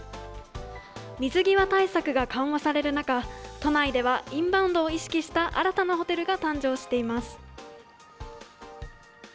水際対策が緩和される中、都内ではインバウンドを意識した新たなホテルが誕生しています。